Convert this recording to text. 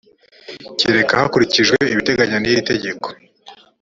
keretse hakurikijwe ibiteganywa n iri teka